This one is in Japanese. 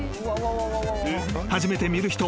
［初めて見る人。